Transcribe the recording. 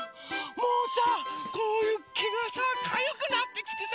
もうさこうけがさかゆくなってきてさ